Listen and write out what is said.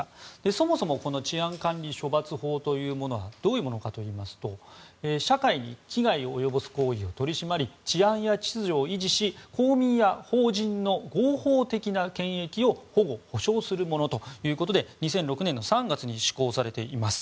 そもそもこの治安管理処罰法というものはどういうものかといいますと社会に危害を及ぼす行為を取り締まり治安や秩序を維持し公民や法人の合法的な権益を保護・保障するものということで２００６年３月に施行されています。